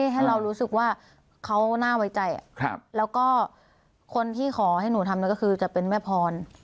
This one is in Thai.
ให้เรารู้สึกว่าเขาน่าไว้ใจแล้วก็คนที่ขอให้หนูทำก็คือจะเป็นแม่พร